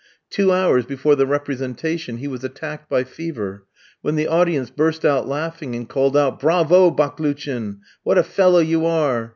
Two hours before the representation he was attacked by fever. When the audience burst out laughing, and called out "Bravo, Baklouchin! what a fellow you are!"